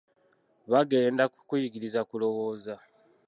Bagenderera ku kuyigiriza kulowooza.